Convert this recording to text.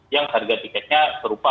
yang harga tiketnya seru